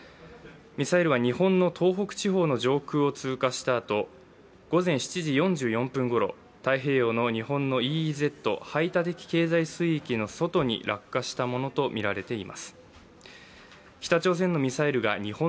ミサイルは日本の東北地方の上空を通過したあと、午前７時４４分ごろ日本のＥＥＺ＝排他的経済水域の外に落下したものとみられています。